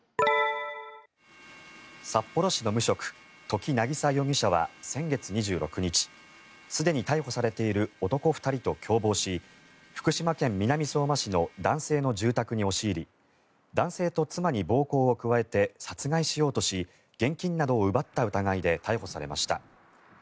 札幌市の無職土岐渚容疑者は先月２６日すでに逮捕されている男２人と共謀し福島県南相馬市の男性の住宅に押し入り男性と妻に暴行を加えて殺害しようとし現金などを奪った疑いで逮捕されました。